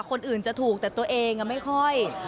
คนอื่นจะถูกแต่ตัวเองไม่ค่อย